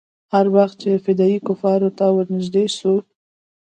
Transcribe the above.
هر وخت چې فدايي کفارو ته ورنژدې سو.